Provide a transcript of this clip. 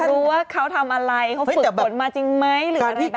รู้ว่าเขาทำอะไรเขาฝึกฝนมาจริงไหมหรืออะไรแบบนี้